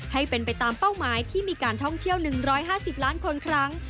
ให้เป็นไปตามเป้าหมายที่มีการท่องเที่ยว๑๕๐ล้านคนครั้ง